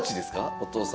お父さん。